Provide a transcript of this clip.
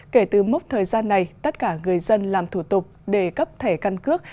kể từ mốc thời gian này tất cả người dân làm thủ tục để cấp thẻ căn cước